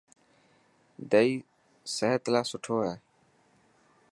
دئي صحت لاءِ سٺو آهي.